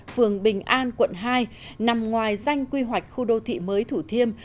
phường bình an quận hai nằm ngoài danh quy hoạch khu đô thị mới thủ thiêm